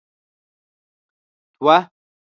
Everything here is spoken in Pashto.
دوه